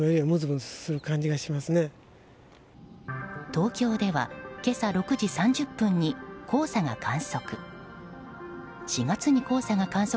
東京では今朝６時３０分に黄砂が観測。